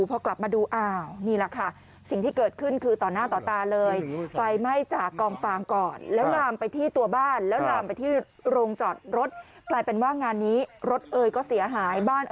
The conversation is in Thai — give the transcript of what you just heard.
พอกลับมาดูอ้าวนี่แหละค่ะ